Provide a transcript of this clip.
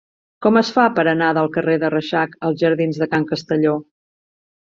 Com es fa per anar del carrer de Reixac als jardins de Can Castelló?